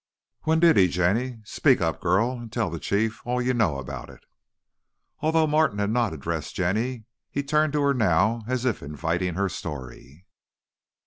"When did he, Jenny? Speak up, girl, and tell the Chief all you know about it." Although Martin had not addressed Jenny, he turned to her now as if inviting her story.